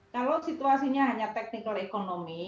kalau situasinya hanya teknikal ekonomi